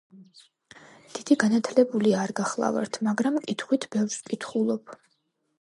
““დიდი განათლებული არ გახლავართ, მაგრამ კითხვით ბევრს ვკითხულობ.””